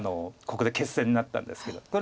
ここで決戦になったんですけど。